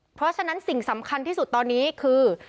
เพราะฉะนั้นสิ่งสำคัญที่สุดตอนนี้คือ